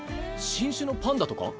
新種のパンダとか？